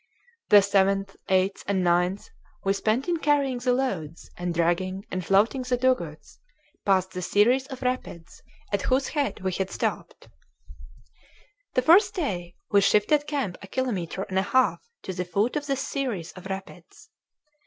The 7th, 8th, and 9th we spent in carrying the loads and dragging and floating the dugouts past the series of rapids at whose head we had stopped. The first day we shifted camp a kilometre and a half to the foot of this series of rapids.